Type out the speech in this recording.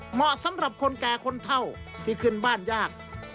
เหมาะสำหรับคนแก่คนเท่าที่ขึ้นบ้านยาก